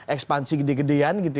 ekspansi gede gedean gitu